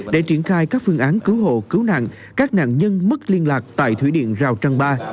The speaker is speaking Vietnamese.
để triển khai các phương án cứu hộ cứu nạn các nạn nhân mất liên lạc tại thủy điện rào trăng ba